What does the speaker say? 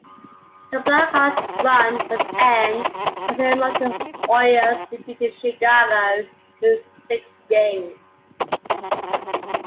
The Blackhawks run would end, as the Edmonton Oilers defeated Chicago in six games.